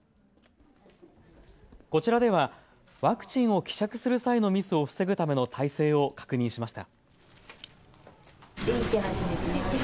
こちらではワクチンを希釈する際のミスを防ぐための体制を確認しました。